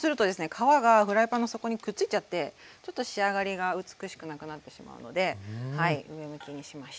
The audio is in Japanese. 皮がフライパンの底にくっついちゃってちょっと仕上がりが美しくなくなってしまうので上向きにしました。